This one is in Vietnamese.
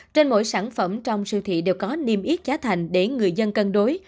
trên mỗi sản phẩm trong siêu thị đều có niêm yết giá thành để người dân cân đối